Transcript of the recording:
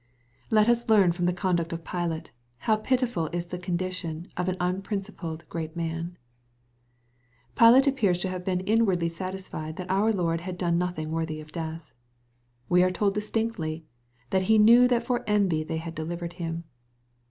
Let us learn from the conduct of Pilate, how pitiful is the condition of an unprincipled great man. Pilate appears to have been inwardly satisfied that our Lord had done nothing worthy of death. We are told distinctly, " that he knew that for envy they had deliv ered him.''